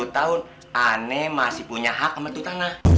lima puluh tahun aneh masih punya hak ngebetu tanah